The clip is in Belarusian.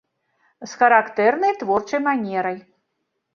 З характэрнай творчай манерай.